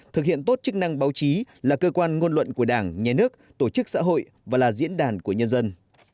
thực hiện tốt chức năng báo chí là cơ quan ngôn luận của đảng nhà nước tổ chức xã hội và là diễn đàn của nhân dân